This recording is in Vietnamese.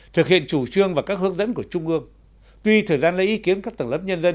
thực hiện chủ trương và các hướng dẫn của trung ương tuy thời gian lấy ý kiến các tầng lớp nhân dân